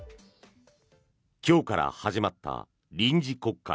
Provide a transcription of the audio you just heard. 今日から始まった臨時国会。